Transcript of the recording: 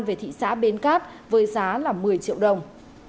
về thị xã bến cát với giá một mươi triệu đồng